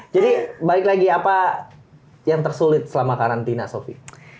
jadi balik lagi apa yang tersulit selama karantina sofi